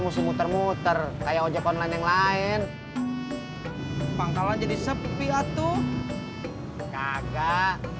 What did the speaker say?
mesti muter muter kayak ojek online yang lain pangkalan jadi sepi atau kagak